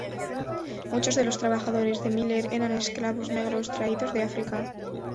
Muchos de los trabajadores de Miller eran esclavos negros traídos de África.